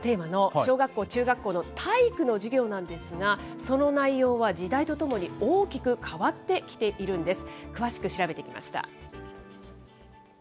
今回のテーマの小学校、中学校の体育の授業なんですが、その内容は、時代とともに大きく変わってきているんです。